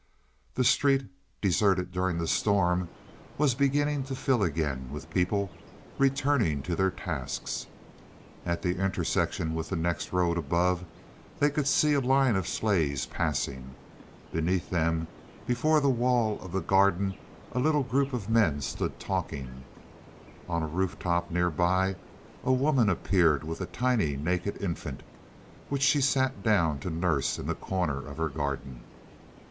The street, deserted during the storm, was beginning to fill again with people returning to their tasks. At the intersection with the next road above, they could see a line of sleighs passing. Beneath them, before the wall of the garden a little group of men stood talking; on a roof top nearby a woman appeared with a tiny naked infant which she sat down to nurse in a corner of her garden.